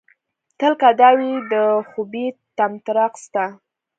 تل که دا وي د خوبيه طمطراق ستا